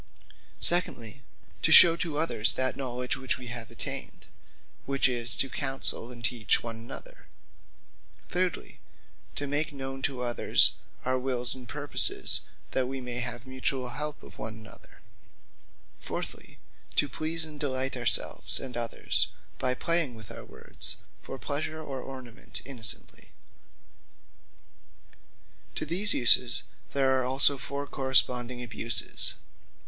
Secondly, to shew to others that knowledge which we have attained; which is, to Counsell, and Teach one another. Thirdly, to make known to others our wills, and purposes, that we may have the mutuall help of one another. Fourthly, to please and delight our selves, and others, by playing with our words, for pleasure or ornament, innocently. Abuses Of Speech To these Uses, there are also foure correspondent Abuses.